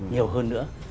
nhiều hơn nữa